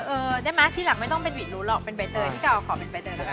เออได้ไหมทีหลังไม่ต้องเป็นหวีดรู้หรอกเป็นใบเตยพี่กาวขอเป็นใบเตยแล้วกัน